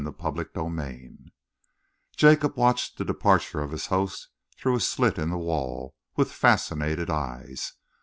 CHAPTER XXI Jacob watched the departure of his host, through a slit in the wall, with fascinated eyes.